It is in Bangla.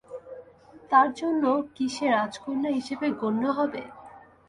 তার জন্য কি সে রাজকন্যা হিসেবে গণ্য হবে?